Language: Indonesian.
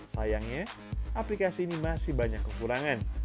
sayangnya aplikasi ini masih banyak kekurangan